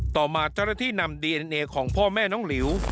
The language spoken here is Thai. ต่อมาเจ้าหน้าที่นำดีเอ็นเอของพ่อแม่น้องหลิว